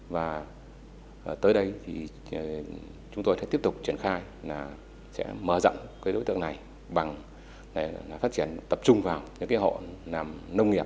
và tới đây thì chúng tôi sẽ tiếp tục triển khai là sẽ mở rộng cái đối tượng này bằng phát triển tập trung vào những cái hộ làm nông nghiệp